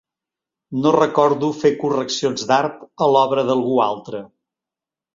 No recordo fer correccions d'art a l'obra d'algú altre.